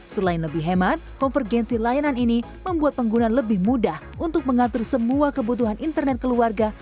selain lebih hemat konvergensi layanan ini membuat pengguna lebih mudah untuk mengatur semua kebutuhan internet keluarga